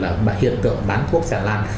là hiện tượng bán thuốc chả lan